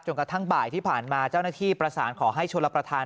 กระทั่งบ่ายที่ผ่านมาเจ้าหน้าที่ประสานขอให้ชนรับประทาน